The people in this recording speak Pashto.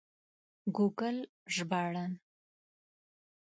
ګوګل ژباړن